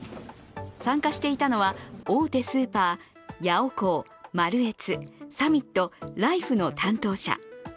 参加していたのは大手スーパーヤオコー、マルエツサミット、ライフの担当者。